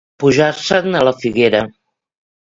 Pujar-se'n a la figuera.